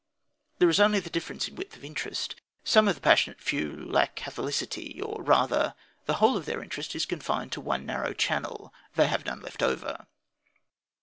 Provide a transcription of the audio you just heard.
There is only the difference in width of interest. Some of the passionate few lack catholicity, or, rather, the whole of their interest is confined to one narrow channel; they have none left over.